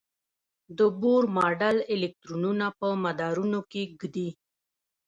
د بور ماډل الکترونونه په مدارونو کې ږدي.